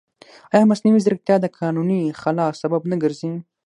ایا مصنوعي ځیرکتیا د قانوني خلا سبب نه ګرځي؟